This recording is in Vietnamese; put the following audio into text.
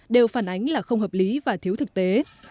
đều phản ánh là không hợp lý và thiếu thực tế